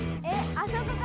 あそこから。